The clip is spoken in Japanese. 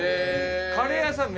カレー屋さん